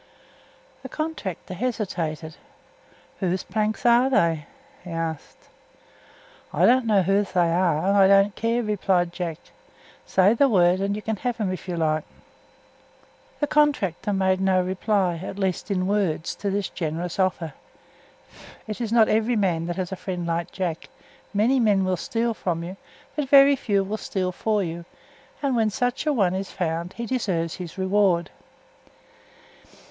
The contractor hesitated. "Whose planks are they?" he asked. "I don't know whose they are, and I don't care," replied Jack. "Say the word, and you can have them, if you like." The contractor made no reply, at least in words, to this generous offer. It is not every man that has a friend like Jack; many men will steal from you, but very few will steal for you, and when such a one is found he deserves his reward.